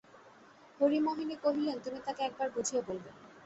হরিমোহিনী কহিলেন, তুমি তাকে একবার বুঝিয়ে বলবে।